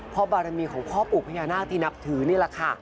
เพราะบารมีของพ่อปู่พญานาคที่นับถือนี่แหละค่ะ